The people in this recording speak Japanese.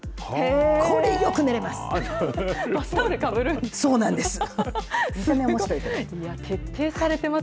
これ、よく寝れます。